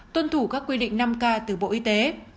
tuân thủ các quy định năm k từ bộ y tế